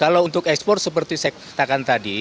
kalau untuk ekspor seperti saya katakan tadi